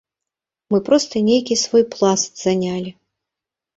Мы проста нейкі свой пласт занялі.